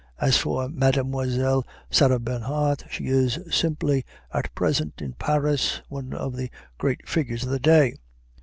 As for Mademoiselle Sarah Bernhardt, she is simply, at present, in Paris, one of the great figures of the day.